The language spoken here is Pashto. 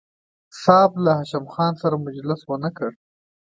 صاحب له هاشم خان سره مجلس ونه کړ.